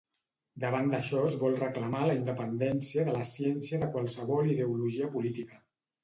Davant d'això es vol reclamar la independència de la ciència de qualsevol ideologia política.